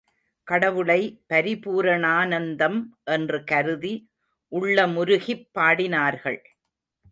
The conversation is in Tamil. கடவுளை பரிபூரணானந்தம் என்று கருதி உள்ளமுருகிப் பாடினார்கள்.